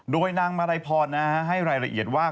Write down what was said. โดยนางมาลัยพรให้รายละเอียดว่า